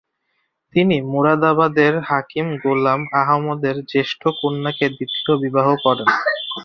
তিনি মোরাদাবাদের হাকিম গোলাম আহমদের জ্যেষ্ঠ কন্যাকে দ্বিতীয় বিবাহ করেন।